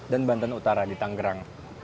dan banten utara di tanggerang